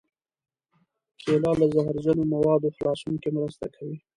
کېله له زهرجنو موادو خلاصون کې مرسته کوي.